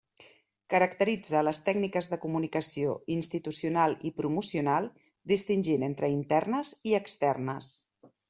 Caracteritza les tècniques de comunicació institucional i promocional, distingint entre internes i externes.